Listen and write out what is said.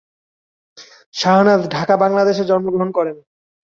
শাহনাজ ঢাকা বাংলাদেশে জন্মগ্রহণ করেন।